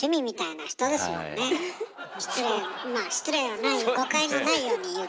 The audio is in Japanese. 失礼まあ失礼のない誤解のないように言うと。